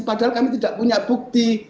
padahal kami tidak punya bukti